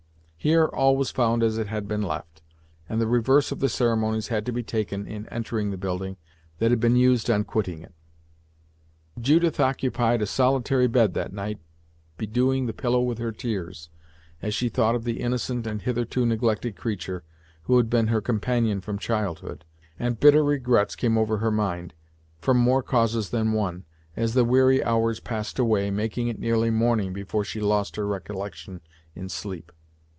Here all was found as it had been left, and the reverse of the ceremonies had to be taken in entering the building, that had been used on quitting it. Judith occupied a solitary bed that night bedewing the pillow with her tears, as she thought of the innocent and hitherto neglected creature, who had been her companion from childhood, and bitter regrets came over her mind, from more causes than one, as the weary hours passed away, making it nearly morning before she lost her recollection in sleep.